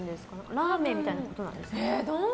ラーメンみたいなことなんですか。